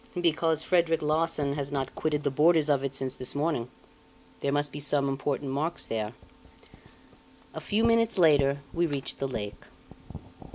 "Because Frederic Larsan has not quitted the borders of it since this morning. There must be some important marks there." A few minutes later we reached the lake.